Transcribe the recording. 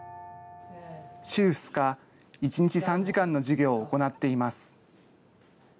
週２日、１日３時間の授業を行っています。